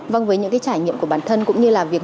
vâng với những cái trải nghiệm của bản thân cũng như là việc